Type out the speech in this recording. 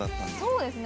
そうですね